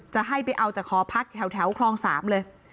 จะให้ไปเอาจากหอพักแถวคลอง๓เลย